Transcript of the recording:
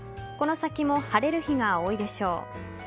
この先も晴れる日が多いでしょう。